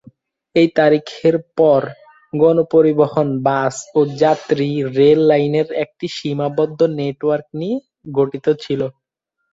এই তারিখের পরে, গণপরিবহন বাস ও যাত্রী রেল লাইনের একটি সীমাবদ্ধ নেটওয়ার্ক নিয়ে গঠিত ছিল।